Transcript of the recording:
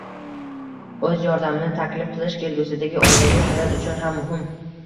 o‘z yordamini taklif qilish – kelgusidagi oilaviy hayot uchun ham muhim.